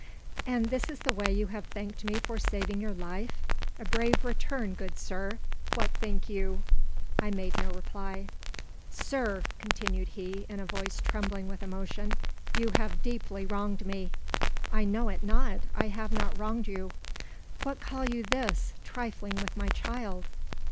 "And this is the way you have thanked me for saving your life? A brave return, good sir; what think you?" I made no reply. "Sir!" continued he, in a voice trembling with emotion, "you have deeply wronged me." "I know it not; I have not wronged you." "What call you this? Trifling with my child!"